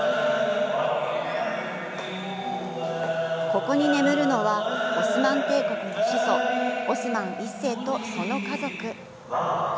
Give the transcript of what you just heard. ここに眠るのはオスマン帝国の始祖オスマン１世とその家族。